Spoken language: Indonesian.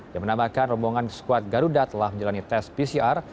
dia menambahkan rombongan sekuat garuda telah menjalani tes pcr